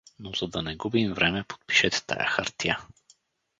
Но за да не губим време, подпишете тая хартия.